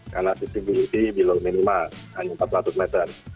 karena sisi beli ini belum minimal hanya empat ratus meter